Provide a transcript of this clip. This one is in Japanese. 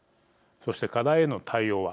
そして、課題への対応は。